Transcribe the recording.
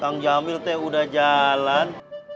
kang jamil teh udah jalan